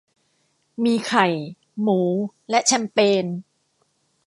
มีไข่ หมู และแชมเปญ